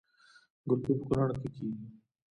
ګلپي په کونړ کې کیږي